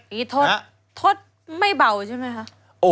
นี่ทศไม่เบาใช่มั้ยค่ะ